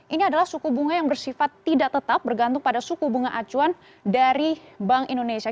ini adalah suku bunga yang bersifat tidak tetap bergantung pada suku bunga acuan dari bank indonesia